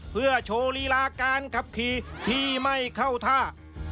เพื่อโชว์ลีลาการขับขี่ที่ไม่เข้าท่า